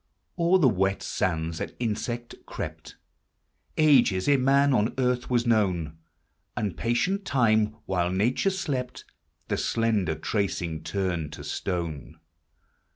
O'er the wet sands an insect crept Ages ere man on earth was known — And patient Time, while Nature slept, The slender tracing turned to stone.